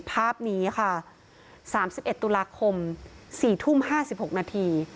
ภาพนี้ค่ะ๓๑ตุลาคม๔ทุ่ม๕๖นาที